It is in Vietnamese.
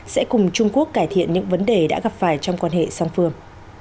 sẽ cùng trung quốc cải thiện những vấn đề đã gặp phải trong quan hệ song phương